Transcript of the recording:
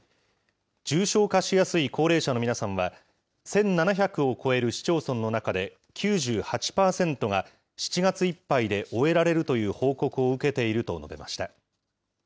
重症化しやすい高齢者の皆様は、１７００を超える市町村の中で９８％が、７月いっぱいで終えられるという報告を受けていると述べました。